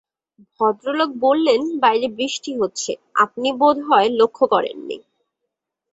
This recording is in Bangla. ভদ্রলোক বললেন, বাইরে বৃষ্টি হচ্ছে, আপনি বোধহয় লক্ষ করেননি।